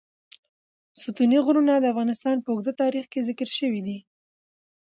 ستوني غرونه د افغانستان په اوږده تاریخ کې ذکر شوی دی.